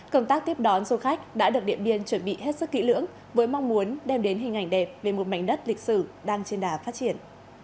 công tác tiếp đón du khách đã được điện biên chuẩn bị hết sức kỹ lưỡng với mong muốn đem đến hình ảnh đẹp về một mảnh đất lịch sử đang trên đà phát triển